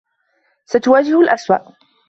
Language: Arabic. ستواجه الأسوء.